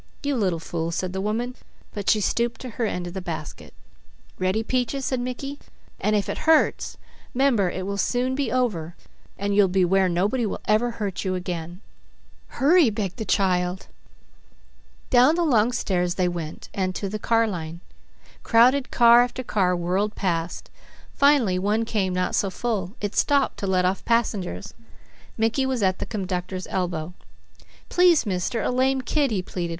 "You little fool," said the woman, but she stooped to her end of the basket. "Ready, Peaches," said Mickey, "and if it hurts, 'member it will soon be over, and you'll be where nobody will ever hurt you again." "Hurry!" begged the child. Down the long stairs they went and to the car line. Crowded car after car whirled past; finally one came not so full, it stopped to let off passengers. Mickey was at the conductor's elbow. "Please mister, a lame kid," he pleaded.